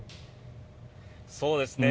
そうですね。